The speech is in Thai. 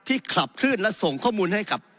ที่ขลับขึ้นและส่งข้อมูลให้กับ